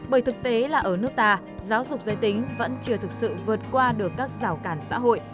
bởi thực tế là ở nước ta giáo dục giới tính vẫn chưa thực sự vượt qua được các rào cảnh